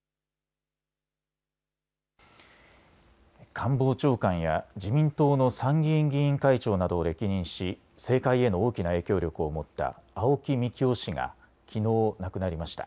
官房長官や自民党の参議院議員会長などを歴任し政界への大きな影響力を持った青木幹雄氏がきのう亡くなりました。